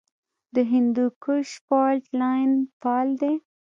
د هندوکش فالټ لاین فعال دی